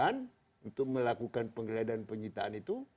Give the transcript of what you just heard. dan untuk melakukan pengelolaan dan penyitaan itu